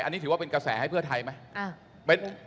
อันนี้ถือว่าเป็นกระแสให้เพื่อไทยไหม